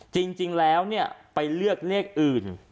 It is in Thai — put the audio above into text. จริงแล้วเนี่ยไปเลือกเรียกอื่น